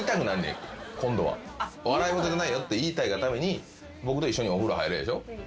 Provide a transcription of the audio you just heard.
「笑い事じゃないよ」って言いたいがために僕と一緒にお風呂入るでしょ。